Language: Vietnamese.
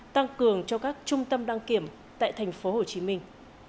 tăng cường cho các trung tâm đăng kiểm tại thành phố hồ chí minh